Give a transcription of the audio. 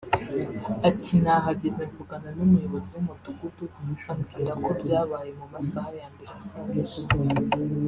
Ati “Nahageze mvugana n’umuyobozi w’umudugudu ambwira ko byabaye mu masaha ya mbere ya saa sita